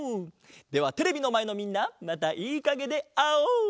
ではテレビのまえのみんなまたいいかげであおう！